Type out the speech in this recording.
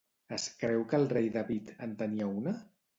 Es creu que el rei David en tenia una?